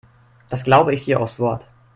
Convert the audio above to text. Das glaube ich dir aufs Wort.